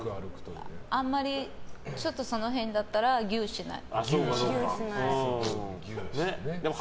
あんまりちょっとその辺だったらギューしない。